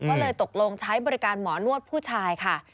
ก็เลยตกลงใช้บริการหมอนวดผู้ชายค่ะ